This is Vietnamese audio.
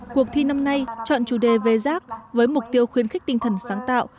cuộc thi năm nay chọn chủ đề về rác với mục tiêu khuyến khích tinh thần sáng tạo